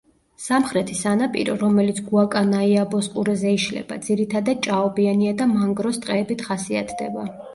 სამხრეთი სანაპირო, რომელიც გუაკანაიაბოს ყურეზე იშლება, ძირითადად ჭაობიანია და მანგროს ტყეებით ხასიათდება.